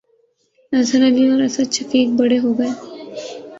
اظہر علی اور اسد شفیق 'بڑے' ہو گئے